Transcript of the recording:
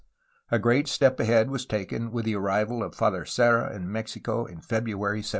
A great step ahead was taken with the arrival of Father Serra in Mexico in February 1773.